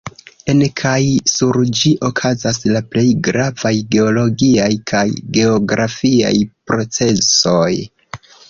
En kaj sur ĝi okazas la plej gravaj geologiaj kaj geografiaj procesoj.